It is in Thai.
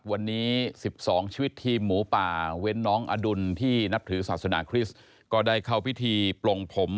วันนี้๑๒ชีวิตทีมหมูป่าเว้นน้องอดุลที่นับถือศาสนาคริสต์ก็ได้เข้าพิธีปลงผม